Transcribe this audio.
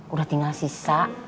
udah tinggal sisa